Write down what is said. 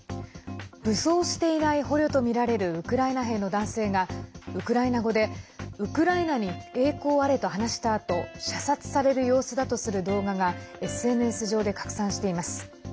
武装していない捕虜とみられるウクライナ兵の男性がウクライナ語で「ウクライナに栄光あれ」と話したあと射殺される様子だとする動画がＳＮＳ上で拡散しています。